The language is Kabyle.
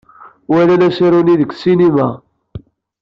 Walan asaru-nni deg ssinima.